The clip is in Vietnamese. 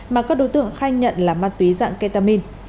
mà các đối tượng khai nhận là ma túy dạng ketamin